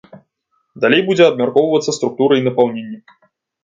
Далей будзе абмяркоўвацца структура і напаўненне.